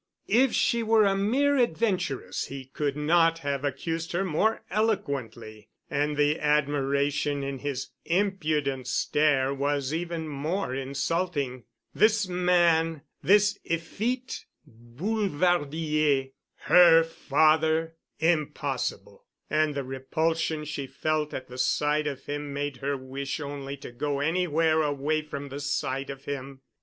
If she were a mere adventuress he could not have accused her more eloquently and the admiration in his impudent stare was even more insulting. This man—this effete boulevardier—her father——? Impossible! And the repulsion she felt at the sight of him made her wish only to go anywhere away from the sight of him.